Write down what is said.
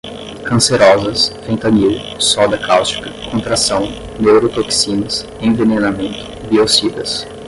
cancerosas, fentanil, soda cáustica, contração, neurotoxinas, envenenamento, biocidas